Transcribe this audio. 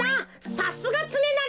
さすがつねなり。